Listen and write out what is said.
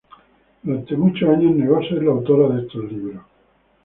Durante muchos años negó ser la autora de estos libros.